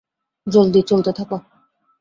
জলদি, চলতে থাক!